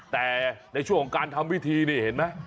แต่ในช่วงของการทำพิธีนี่เห็นไหม